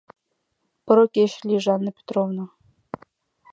Поро кече лийже, Анна Петровна!